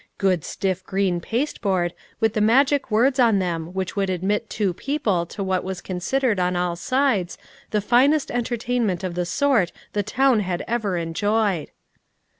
Good stiff green pasteboard with the magic words on them which would admit two people to what was considered on all sides the finest entertainment of the sort the town had ever enjoyed.